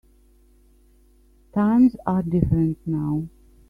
Times are different now.